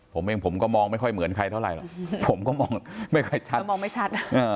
ผมเองผมก็มองไม่ค่อยเหมือนใครเท่าไหร่ผมก็มองไม่ค่อยชัดมองไม่ชัด